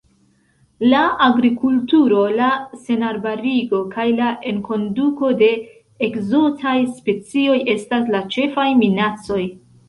La agrikulturo, la senarbarigo kaj la enkonduko de ekzotaj specioj estas la ĉefaj minacoj.